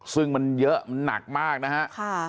ซึ่งมันเยอะมันหนักมากนะฮะ